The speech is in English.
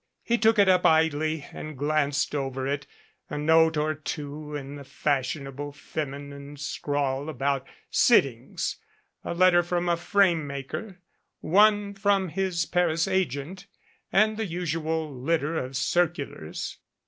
He took it up idly and glanced over it a note or two in the fashionable feminine scrawl about sittings, a letter from a framemaker, one from his Paris agent, and the usual litter of circulars.